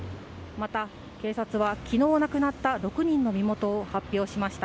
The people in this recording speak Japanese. また警察は昨日亡くなった６人の身元を発表しました。